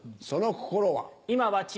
その心は。